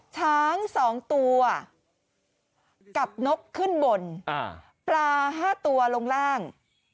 ช้าง๒ตัวกับนกขึ้นบนปลา๕ตัวลงล่าง